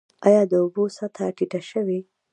آیا د اوبو سطحه ټیټه شوې؟